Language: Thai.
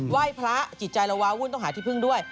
ไหว้พระจิตใจเราว้าวุ่นต้องหาที่พึ่งด้วย